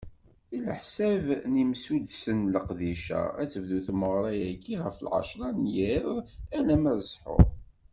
Ɛlaḥsab n yimsuddsen n leqdic-a, ad tebdu tmeɣra-agi ɣef lɛecra n yiḍ alamma d ṣṣḥur.